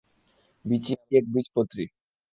বিচি এক বীজপত্রি।